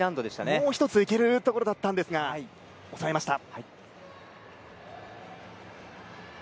もう一ついけるところだったんですが抑えました。